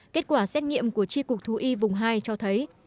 kết quả xét nghiệm của tri cục thú y vùng hai cho thấy